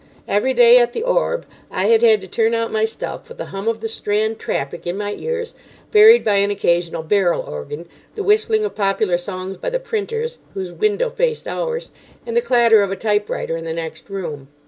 Every day at the Orb I had had to turn out my stuff with the hum of the Strand traffic in my ears, varied by an occasional barrel organ, the whistling of popular songs by the printers, whose window faced ours, and the clatter of a typewriter in the next room.